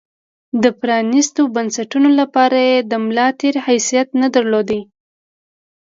د پرانېستو بنسټونو لپاره یې د ملا تیر حیثیت درلود.